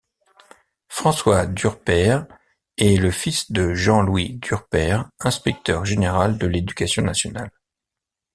François Durpaire est le fils de Jean-Louis Durpaire, inspecteur général de l'Éducation nationale.